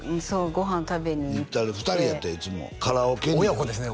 ご飯食べに行って２人やっていつもカラオケに親子ですね